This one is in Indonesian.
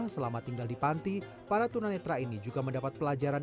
selama tinggal di panti para tunanetra ini juga mendapat pelajaran